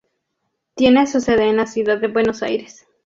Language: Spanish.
Tiene su sede en la ciudad de Buenos Aires.